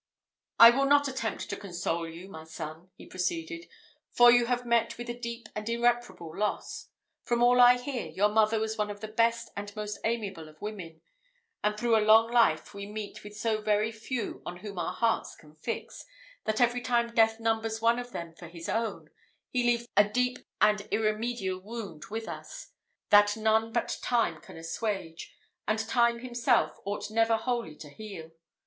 "I will not attempt to console you, my son," he proceeded, "for you have met with a deep and irreparable loss. From all I hear, your mother was one of the best and most amiable of women; and through a long life, we meet with so very few on whom our hearts can fix, that every time death numbers one of them for his own, he leaves a deep and irremediable wound with us, that none but Time can assuage, and Time himself ought never wholly to heal.